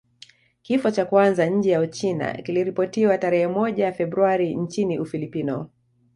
Kifo cha kwanza nje ya Uchina kiliripotiwa tarehe moja Februari nchini Ufilipino